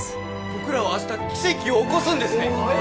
僕らは明日奇跡を起こすんですね。